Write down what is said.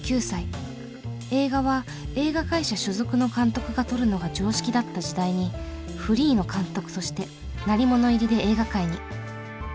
映画は映画会社所属の監督が撮るのが常識だった時代にフリーの監督として鳴り物入りで映画界に。